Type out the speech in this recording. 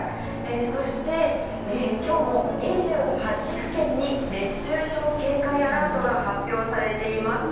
そして、今日も２８府県に熱中症警戒アラートが発表されています。